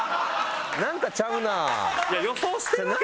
なんかちゃうな。